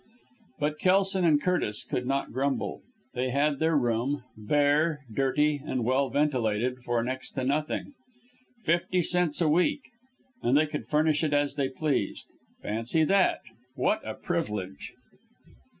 But Kelson and Curtis could not grumble. They had their room bare, dirty and well ventilated for next to nothing. Fifty cents a week! And they could furnish it as they pleased. Fancy that! What a privilege!